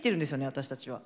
私たちは。